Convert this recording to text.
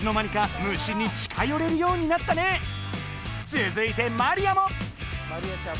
続いてマリアも！